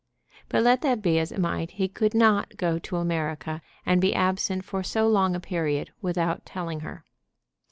But let that be as it might, he could not go to America, and be absent for so long a period, without telling her.